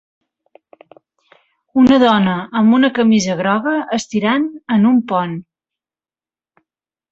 Una dona amb una camisa groga estirant en un pont.